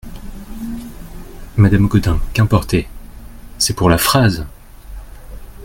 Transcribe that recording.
Madame Gaudin Qu'importé ? c'est pour la phrase !